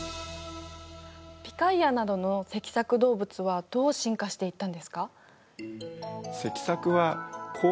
ピカイアなどの脊索動物はどう進化していったんですか？